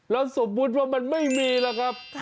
แล้วสมมุติว่ามันไม่มีล่ะครับ